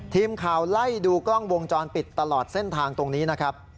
ทีมข่าวไล่ดูกล้องวงจรปิดตลอดเส้นทางตรงนี้นะครับ